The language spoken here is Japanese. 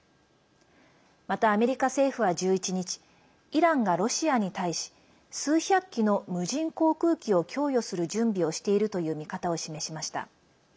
また、アメリカ政府は１１日イランがロシアに対し数百機の無人航空機を供与する準備をしているという見方を示しました。